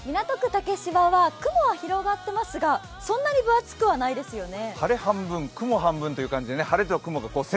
竹芝は雲は広がっていますが、そんなに分厚くはないですよね。